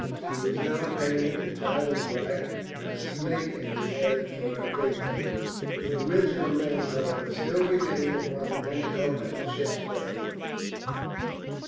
She was now painted entirely black, and a snake had been added for her figurehead. The original name, however, still remained upon the binnacle and ship's bell.